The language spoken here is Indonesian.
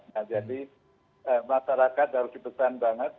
nah jadi masyarakat harus dipesan banget